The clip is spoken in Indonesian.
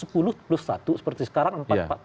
sepuluh plus satu seperti sekarang